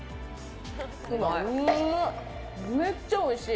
めっちゃおいしい！